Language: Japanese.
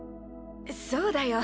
そうだよ。